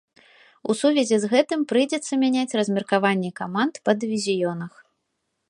У сувязі з гэтым прыйдзецца мяняць размеркаванне каманд па дывізіёнах.